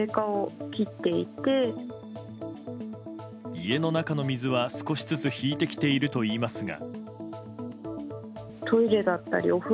家の中の水は、少しずつ引いてきているといいますが。